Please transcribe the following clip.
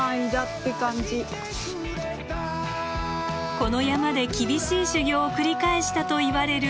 この山で厳しい修行を繰り返したといわれる忍びたち。